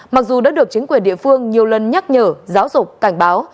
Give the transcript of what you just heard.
mặc dù đã được chính quyền địa phương nhiều lần nhắc nhở giáo dục cảnh báo